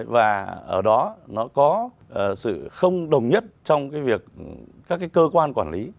và ở đó nó có sự không đồng nhất trong cái việc các cái cơ quan quản lý